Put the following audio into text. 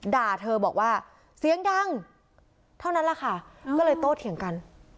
ด่าเธอบอกว่าเสียงดังเท่านั้นแหละค่ะก็เลยโตเถียงกัน